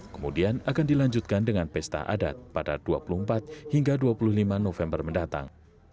kemudian akan dilanjutkan dengan pesta adat pada dua puluh empat hingga dua puluh lima november mendatang